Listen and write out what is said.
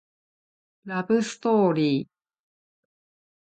ラブストーリー